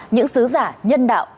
những sứ giả nhân đạo